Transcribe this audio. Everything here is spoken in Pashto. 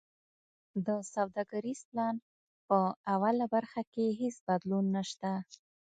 د سوداګریز پلان په اوله برخه کی هیڅ بدلون نشته.